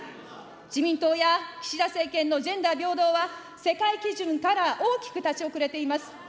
自民党や岸田政権のジェンダー平等は世界基準から大きく立ち遅れています。